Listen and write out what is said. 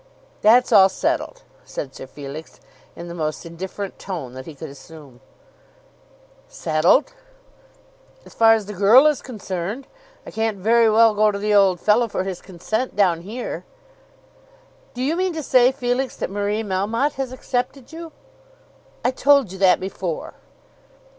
"That's all settled," said Sir Felix, in the most indifferent tone that he could assume. "Settled!" "As far as the girl is concerned. I can't very well go to the old fellow for his consent down here." "Do you mean to say, Felix, that Marie Melmotte has accepted you?" "I told you that before."